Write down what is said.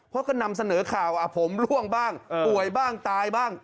เพราะก็นำเสนอข่าวผมล่วงบ้างป่วยบ้างตายบ้าง